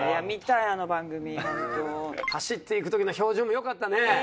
見たいあの番組走って行くときの表情もよかったね